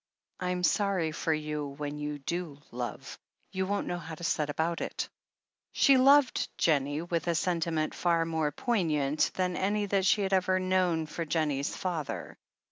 ... Tm sorry for you when you do love ... you won't know how to set about it *' She loved Jennie with a sentiment far more poignant than any that she had ever known for Jennie's father.